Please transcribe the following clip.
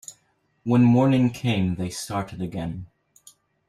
When morning came they started again.